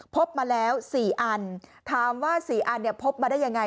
พบมาแล้ว๔อันถามว่า๔อันเนี่ยพบมาได้ยังไง